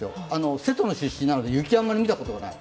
瀬戸の出身なので雪山を見たことがない。